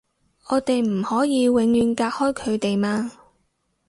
我哋唔可以永遠隔開佢哋嘛